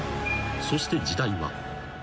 ［そして時代は］